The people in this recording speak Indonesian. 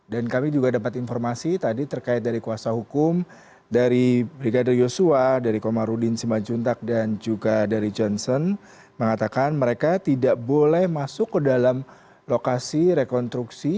dan kami juga dapat informasi tadi terkait dari kuasa hukum dari brigadir joshua dari komarudin simacuntak dan juga dari johnson mengatakan mereka tidak boleh masuk ke dalam lokasi rekonstruksi